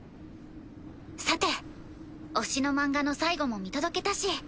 さて推しの漫画の最後も見届けたし